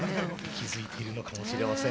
息づいているのかもしれません。